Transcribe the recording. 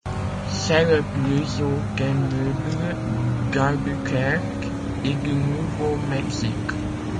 C'est le plus haut immeuble d'Albuquerque et du Nouveau-Mexique.